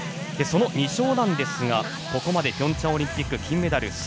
その２勝なんですが、ここまでピョンチャンオリンピック金メダル